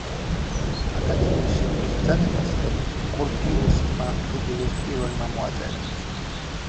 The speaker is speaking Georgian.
აკადემიის შექმნის ბრძანებას ხელი კურფიურსტმა ფრიდრიხ პირველმა მოაწერა.